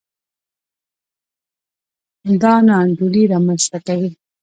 دا نا انډولي رامنځته کوي.